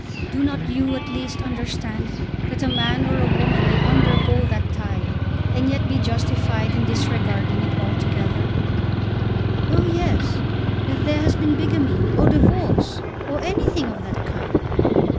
"Do not you at least understand that a man or a woman may undergo that tie, and yet be justified in disregarding it altogether?" "Oh, yes; if there has been bigamy, or divorce, or anything of that kind."